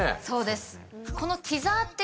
そうです。